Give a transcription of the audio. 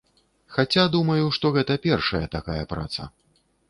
Хаця, думаю, што гэта першая такая праца.